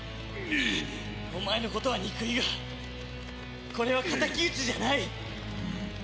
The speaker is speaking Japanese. お前のことは憎いがこれは敵討ちじゃない！